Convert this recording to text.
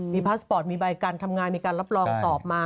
มีพาสปอร์ตมีใบกันทำงานมีการรับรองสอบมา